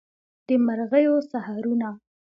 د مرغیو سحرونه